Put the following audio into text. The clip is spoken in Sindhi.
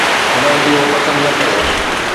هنن اهو پسند نه ڪيو.